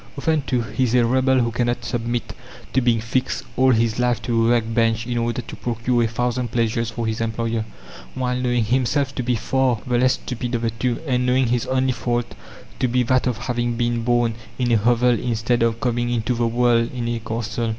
Often, too, he is a rebel who cannot submit to being fixed all his life to a work bench in order to procure a thousand pleasures for his employer, while knowing himself to be far the less stupid of the two, and knowing his only fault to be that of having been born in a hovel instead of coming into the world in a castle.